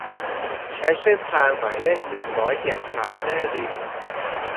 ใช้เส้นทางหมายเลข หนึ่งร้อยเจ็ด ผ่านแม่ริม